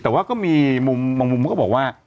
แต่ว่าก็มีมุมบางมุมก็บอกว่า